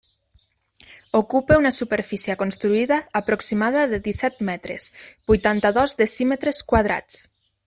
Ocupa una superfície construïda aproximada de disset metres, vuitanta-dos decímetres quadrats.